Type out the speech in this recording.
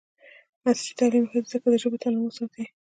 عصري تعلیم مهم دی ځکه چې د ژبو تنوع ساتي.